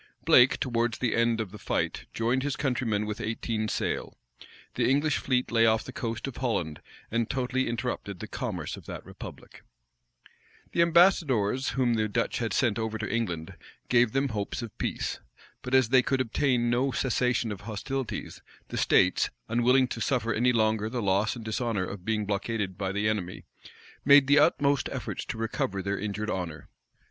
Blake, towards the end of the fight, joined his countrymen with eighteen sail. The English fleet lay off the coast of Holland, and totally interrupted the commerce of that republic. [Illustration: 1 734 blake.jpg ADMIRAL BLAKE] The ambassadors whom the Dutch had sent over to England, gave them hopes of peace. But as they could obtain no cessation of hostilities, the states, unwilling to suffer any longer the loss and dishonor of being blockaded by the enemy, made the utmost efforts to recover their injured honor.